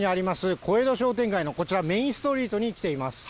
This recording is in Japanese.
小江戸商店街のこちら、メインストリートに来ています。